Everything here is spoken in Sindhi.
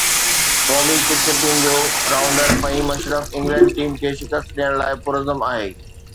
قومي ڪرڪيٽ ٽيم جو rounder Faheem Ashraf England team کي شڪست ڏيڻ لاءِ پرعزم آهي